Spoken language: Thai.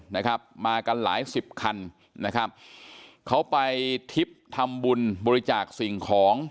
นะครับมากันหลายสิบคันนะครับเขาไปทิพย์ทำบุญบริจาคสิ่งของ